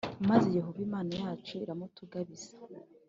maze Yehova Imana yacu iramutugabiza,